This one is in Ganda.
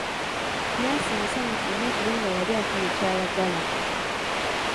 Nansi musanyufu nnyo kubanga yali afunye kyayagala.